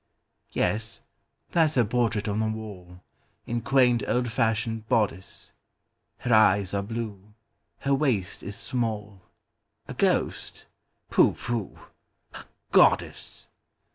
Yes, that's her portrait on the wall, In quaint old fashioned bodice:Her eyes are blue—her waist is small—A ghost! Pooh, pooh,—a goddess!